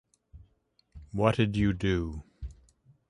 What'd you do?